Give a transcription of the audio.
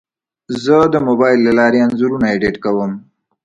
زه د موبایل له لارې انځورونه ایډیټ کوم.